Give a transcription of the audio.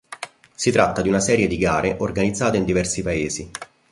Si tratta di una serie di gare organizzate in diversi paesi.